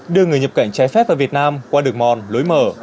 đưa người nhập cảnh trái phép vào việt nam qua đường mòn lối mở